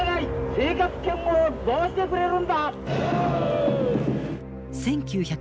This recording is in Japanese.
生活圏をどうしてくれるんだ！